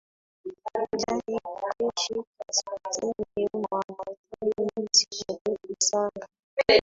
Jari kijeshi kaskazini mwa Amazon Mti Mrefu Sana